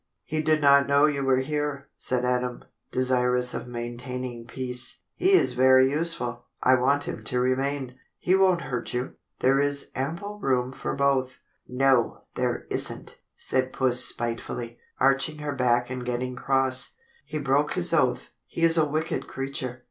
"He did not know you were here," said Adam, desirous of maintaining peace. "He is very useful. I want him to remain. He won't hurt you. There is ample room for both." "No, there isn't," said Puss spitefully, arching up her back and getting cross. "He broke his oath. He is a wicked creature.